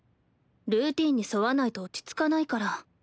ルーティンに沿わないと落ち着かないから。